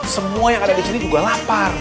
semua yang ada di sini juga lapar